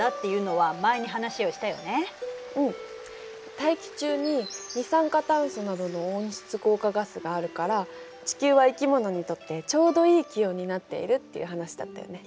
大気中に二酸化炭素などの温室効果ガスがあるから地球は生き物にとってちょうどいい気温になっているっていう話だったよね。